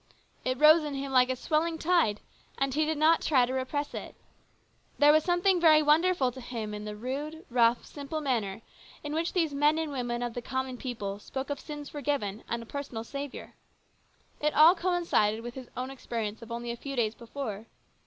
It rose in him like a swelling tide, and he did not try to repress it. There was something very wonderful to him in the rude, rough, simple manner in which these men and women of the common people spoke of sins forgiven and a personal Saviour. It all coincided with his own experience of only a few days before.